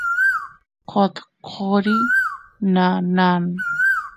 qotqoriy nanan